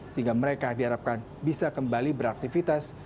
sehingga mereka diharapkan bisa kembali beraktivitas